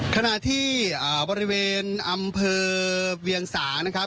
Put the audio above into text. ขณะที่บริเวณอำเภอเวียงสางนะครับ